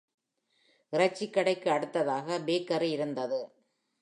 இறைச்சிக் கடைக்கு அடுத்ததாக பேக்கரி இருந்தது.